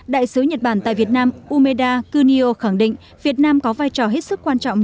đại sứ nhật bản tại việt nam umeda kunio khẳng định việt nam có vai trò hết sức quan trọng